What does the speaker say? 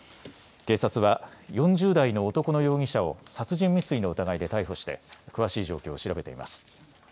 警察は、４０代の男の容疑者を殺人未遂の疑いで逮捕して詳しい状況を調べています。